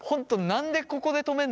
「何でここで止めんの？」